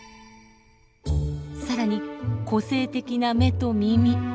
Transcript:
更に個性的な目と耳。